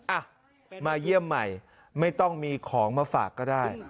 อ่ะมาเยี่ยมใหม่ไม่ต้องมีของมาฝากก็ได้